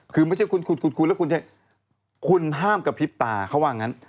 คือไม่ใช่คุณห้ามกระพริบตาเขาว่างั้น